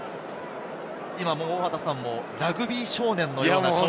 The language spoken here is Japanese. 大畑さんも、ラグビー少年のような。